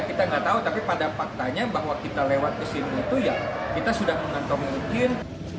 kita nggak tahu tapi pada faktanya bahwa kita lewat ke sini itu ya kita sudah mengantong izin